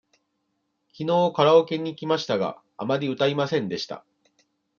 きのうカラオケに行きましたが、あまり歌いませんでした。